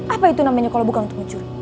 apa itu namanya kalau bukan untuk wujud